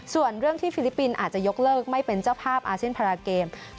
ส่วนเรื่องที่ฟิลิปปินส์อาจจะยกเลิกไม่เป็นเจ้าภาพอาเซียนพาราเกม